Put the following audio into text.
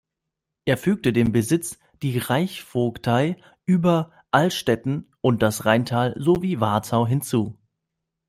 Er fügte dem Besitz die Reichsvogtei über Altstätten und das Rheintal sowie Wartau hinzu.